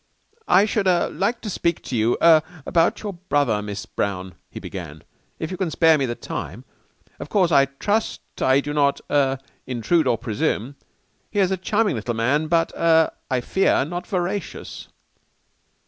"I should like to speak to you er about your brother, Miss Brown," he began, "if you can spare me the time, of course. I trust I do not er intrude or presume. He is a charming little man but er I fear not veracious.